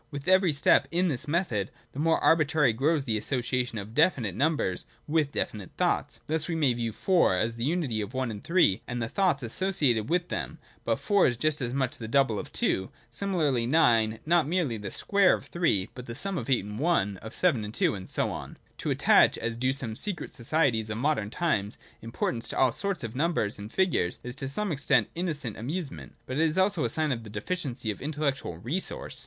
With every step in this method, the more arbitrary grows the association of definite numbers with definite thoughts. Thus, we may view 4 as the unity of i and 3, and of the thoughts associated with them, but 4 is just as much the double of 2 ; similarly 9 is not merely the square of 3, but also the sum of 8 and i, of 7 and 2, and so on. To attach, as do some secret societies of modern times, importance to all sorts of numbers and figures, is to some extent an innocent amusement, but it is also a sign of deficiency of intellectual resource.